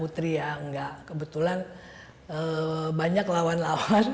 tidak kebetulan banyak lawan lawan